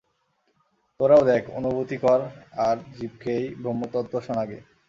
তোরাও দেখ, অনুভূতি কর আর জীবকে এই ব্রহ্মতত্ত্ব শোনাগে।